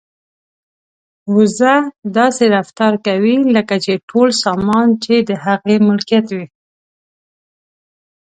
وزه داسې رفتار کوي لکه ټول سامان چې د هغې ملکیت وي.